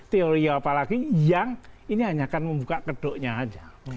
teori apa lagi yang ini hanya akan membuka kedoknya aja